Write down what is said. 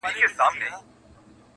په ښاديو نعمتونو يې زړه ښاد وو؛